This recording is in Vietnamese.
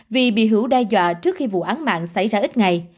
vì bị hữu đe dọa trước khi vụ án mạng xảy ra ít ngày